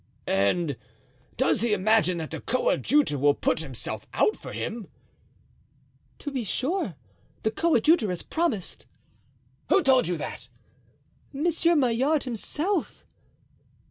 "And does he imagine that the coadjutor will put himself out for him?" "To be sure; the coadjutor has promised." "Who told you that?" "Monsieur Maillard himself."